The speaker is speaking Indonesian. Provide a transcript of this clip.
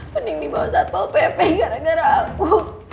mending dibawa ke satpol pp gara gara aku